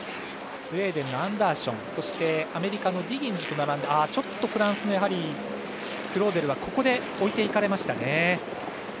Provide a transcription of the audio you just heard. スウェーデンのアンダーションそしてアメリカのディギンズと並んでちょっとフランスのクローデルはここで置いていかれましたね。